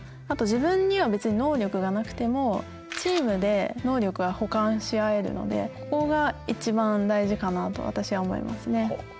あと自分には別に能力がなくてもチームで能力は補完し合えるのでここが一番大事かなと私は思いますね。